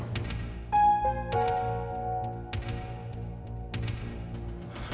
eh gue di mana